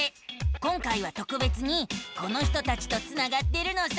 今回はとくべつにこの人たちとつながってるのさ。